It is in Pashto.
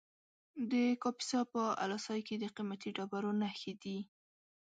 د کاپیسا په اله سای کې د قیمتي ډبرو نښې دي.